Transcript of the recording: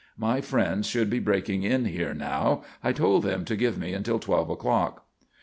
My friends should be breaking in here now. I told them to give me until twelve o'clock.